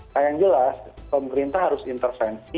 nah yang jelas pemerintah harus intervensi